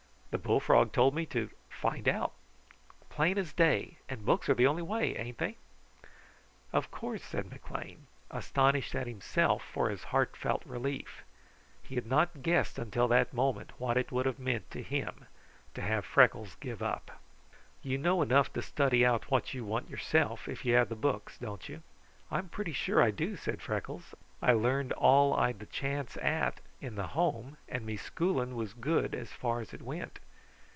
The bullfrog told me to 'find out,' plain as day, and books are the only way; ain't they?" "Of course," said McLean, astonished at himself for his heartfelt relief. He had not guessed until that minute what it would have meant to him to have Freckles give up. "You know enough to study out what you want yourself, if you have the books; don't you?" "I am pretty sure I do," said Freckles. "I learned all I'd the chance at in the Home, and me schooling was good as far as it went.